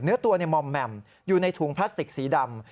เนื้อตัวมอมแหม่มอยู่ในถุงพลาสติกสีดำ